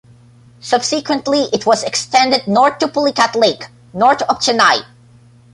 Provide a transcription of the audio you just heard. Subsequently, it was extended north to Pulicat Lake, north of Chennai.